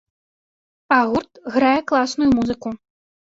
А гурт грае класную музыку.